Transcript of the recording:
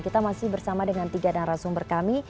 kita masih bersama dengan tiga narasumber kami